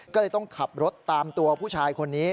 ก็เลยต้องขับรถตามตัวผู้ชายคนนี้